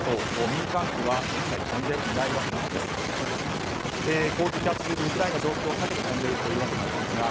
民間機は一切飛んでいないわけなんです。